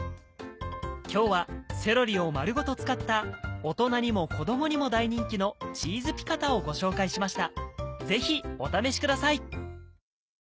今日はセロリを丸ごと使った大人にも子どもにも大人気のチーズピカタをご紹介しましたぜひお試しください